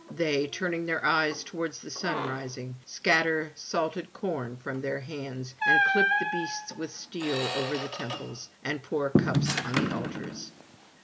They, turning their eyes towards the sunrising, scatter salted corn from their hands and clip the beasts with steel over the temples, and pour cups on the altars.